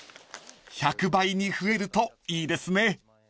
［１００倍に増えるといいですね］